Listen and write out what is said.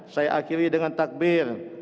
saya akhiri dengan takbir